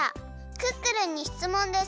「クックルンにしつもんです。